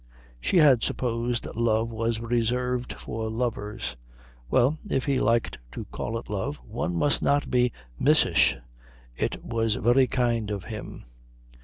She had supposed love was reserved for lovers. Well, if he liked to call it love ... one must not be miss ish it was very kind of him....